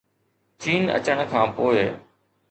چين اچڻ کان پوءِ